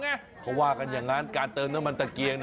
เขาว่ากันอย่างนั้นการเติมน้ำมันตะเกียง